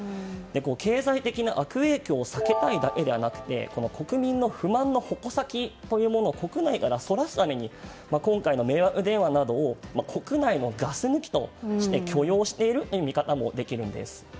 経済的な悪影響を避けたいだけでなくて国民の不満の矛先というものを国内からそらすために今回の迷惑電話などを国内のガス抜きとして許容しているという見方もできるんです。